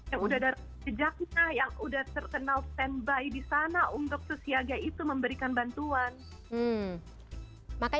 yang sudah ada rekam jejaknya yang sudah terkenal standby di sana untuk siaga itu memberikan bantuan